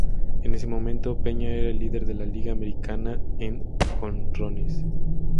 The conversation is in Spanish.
En ese momento, Peña era el líder en la Liga Americana en jonrones.